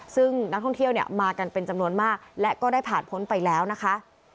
ซึ่งนักท่องเที่ยวเนี่ยมากันเป็นจำนวนมากและก็ได้ผ่านพ้นไปแล้วนะคะ